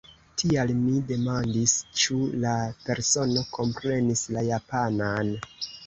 Tial mi demandis, ĉu la persono komprenis la japanan.